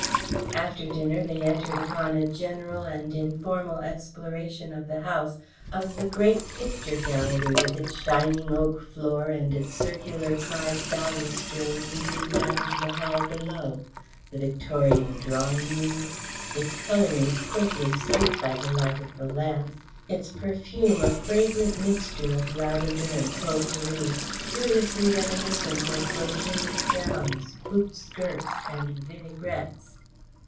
After dinner they entered upon a general and informal exploration of the house, of the great picture gallery with its shining oak floor and its circular carved balustrade, leading down to the hall below, the Victorian drawing room, its colourings quaintly sweet by the light of the lamps, its perfume a fragrant mixture of lavender and potpourri, curiously reminiscent of brocaded gowns, hooped skirts and vinaigrettes.